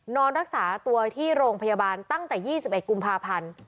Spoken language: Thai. นอนรักษาตัวที่โรงพยาบาลตั้งแต่๒๑กุมภาพันธ์